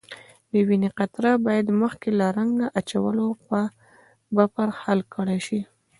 د وینې قطره باید مخکې له رنګ اچولو په بفر حل کړای شي.